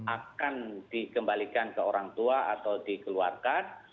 akan dikembalikan ke orang tua atau dikeluarkan